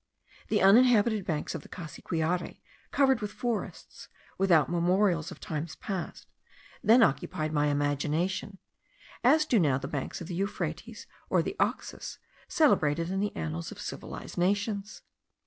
The uninhabited banks of the Cassiquiare, covered with forests, without memorials of times past, then occupied my imagination, as do now the banks of the Euphrates, or the Oxus, celebrated in the annals of civilized nations.